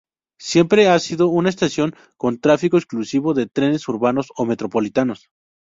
Siempre ha sido una estación con tráfico exclusivo de trenes urbanos o metropolitanos.